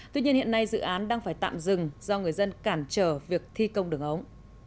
tuy nhiên hiện nay dự án đang phải tạm dừng do người dân cản trở việc thi công đường ống